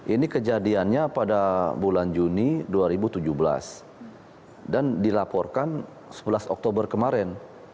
ini kejadiannya pada bulan juni dua ribu tujuh belas dan dilaporkan sebelas oktober kemarin